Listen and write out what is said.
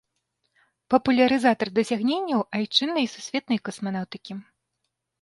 Папулярызатар дасягненняў айчыннай і сусветнай касманаўтыкі.